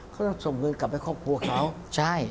ก็ต้องส่งเงินกลับไปครอบครัวเขาใช่